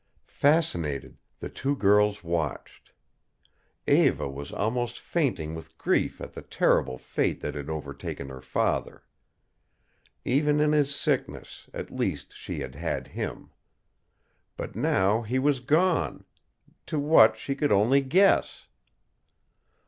Fascinated, the two girls watched. Eva was almost fainting with grief at the terrible fate that had overtaken her father. Even in his sickness, at least she had had him. But now he was gone to what she could only guess.